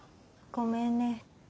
ごめんね。